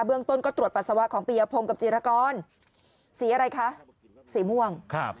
เรื่องต้นก็ตรวจปัสสาวะของปียพงศ์กับจีรกรสีอะไรคะสีม่วงครับ